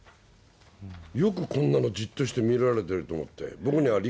よくこんなのじっとして見られていると思って。